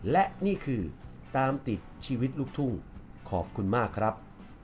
และนี่คือตามติดชีวิตลูกทุ่งขอบคุณมากครับ